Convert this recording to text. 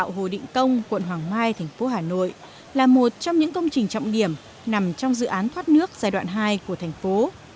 hồ định công là một trong những công trình trọng điểm nằm trong dự án thoát nước giai đoạn hai của thành phố